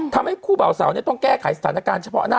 ทำให้คู่เบาสาวต้องแก้ไขสถานการณ์เฉพาะหน้า